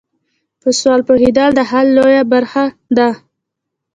په سوال پوهیدل د حل لویه برخه ده.